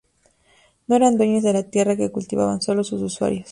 No eran dueños de la tierra que cultivaban, solo sus usuarios.